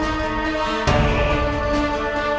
dan sebuah kata kata takoggik